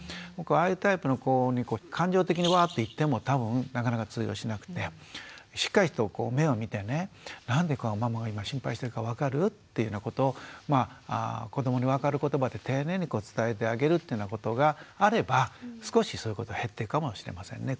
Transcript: ああいうタイプの子に感情的にわって言っても多分なかなか通用しなくてしっかりとこう目を見てね「なんでママが今心配してるか分かる？」っていうようなことを子どもに分かる言葉で丁寧に伝えてあげるっていうようなことがあれば少しそういうことが減っていくかもしれませんね。